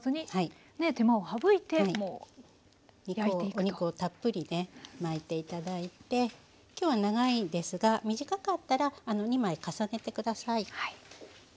お肉をたっぷりね巻いて頂いて今日は長いですが短かったら２枚重ねて下さい。